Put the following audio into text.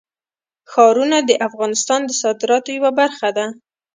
ښارونه د افغانستان د صادراتو یوه برخه ده.